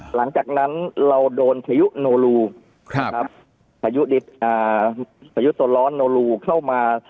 หลังจากนั้นเราโดนพยุนโนรูครับพยุดิอ่าพยุตลร้อนโนรูเข้ามา